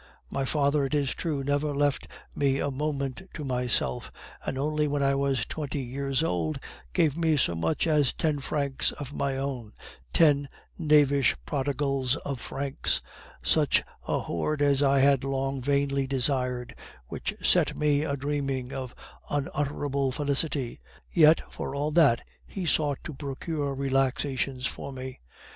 My father, it is true, never left me a moment to myself, and only when I was twenty years old gave me so much as ten francs of my own, ten knavish prodigals of francs, such a hoard as I had long vainly desired, which set me a dreaming of unutterable felicity; yet, for all that he sought to procure relaxations for me.